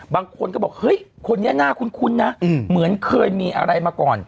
บางคนก็บอกเฮ้ยคนนี้น่าคุ้นนะเหมือนเคยมีอะไรมาก่อน